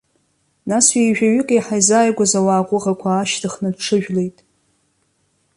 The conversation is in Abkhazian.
Нас ҩеижәаҩык еиҳа изааигәаз ауаа ҟәыӷақәа аашьҭыхны дҽыжәлеит.